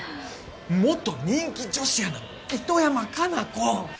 元人気女子アナの糸山果奈子！